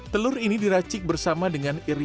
telur ini diracik bersama dengan iringan